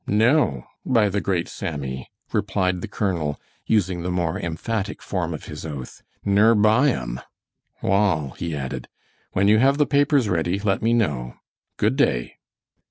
"No, by the great Sammy," replied the colonel, using the more emphatic form of his oath, "ner buy 'em! Wall," he added, "when you have the papers ready, let me know. Good day!"